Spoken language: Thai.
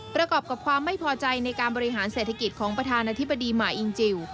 ประกอบกับความไม่พอใจในการบริหารเศรษฐกิจของประธานาธิบดีหมาอิงจิล